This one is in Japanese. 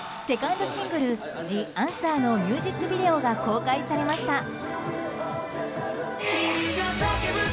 セカンドシングル「ＴｈｅＡｎｓｗｅｒ」のミュージックビデオが公開されました。